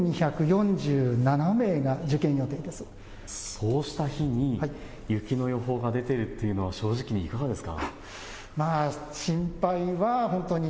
こうした日に雪の予報が出ているっていうのは正直いかがですか。